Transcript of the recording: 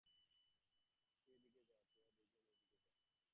তুই এই দিকে যা, তোরা দুইজন এই দিকে যা।